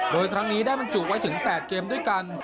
โดยครั้งนี้ได้บรรจุไว้ถึง๘เกมด้วยกัน